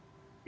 ya tentu saja